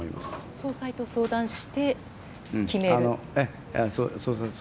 総裁と相談して決める？